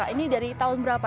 ini dari tahun berapa